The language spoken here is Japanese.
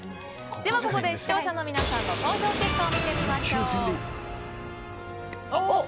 ここで視聴者の皆さんの投票結果を見てみましょう。